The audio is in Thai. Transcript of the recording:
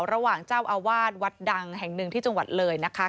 ระหว่างเจ้าอาวาสวัดดังแห่งหนึ่งที่จังหวัดเลยนะคะ